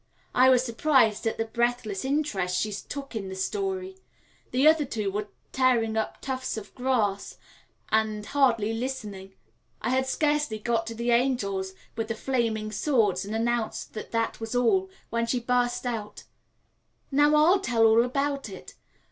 I was surprised at the breathless interest she took in the story the other two were tearing up tufts of grass and hardly listening. I had scarcely got to the angels with the flaming swords and announced that that was all, when she burst out, "Now I'll tell about it.